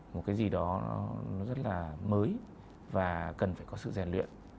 một cái gì đó nó rất là mới và cần phải có sự rèn luyện